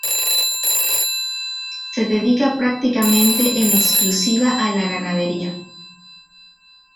Se dedica prácticamente en exclusiva a la ganadería.